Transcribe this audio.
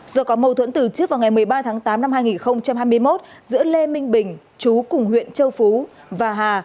do có mâu thuẫn từ trước vào ngày một mươi ba tháng tám năm hai nghìn hai mươi một giữa lê minh bình chú cùng huyện châu phú và hà